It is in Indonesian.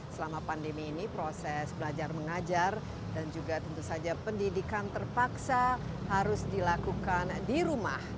selama pandemi ini proses belajar mengajar dan juga tentu saja pendidikan terpaksa harus dilakukan di rumah